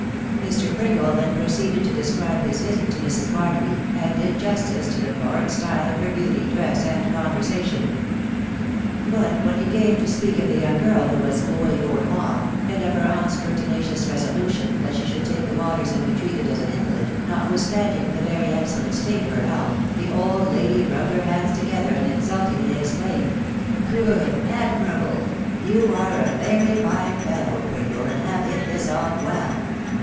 Mr, Pringle then proceeded to describe his visit to Mrs. Barnaby, and did justice to the florid style of her beauty, dress, and conversation. But when he came to speak of the young girl who was voute au noir> and of her aunt's pertina cious resolution that she should take the waters and be treated as an invalid, notwithstanding the very excellent state of her health, the old lady rubbed her hands together, and exultingly exclaimed, " Good !..•. admirable !...• You are a very fine fellow, Pringle, and have hit this off well.